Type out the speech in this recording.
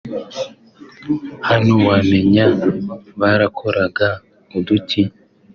Hano wamenya barakoraga uduki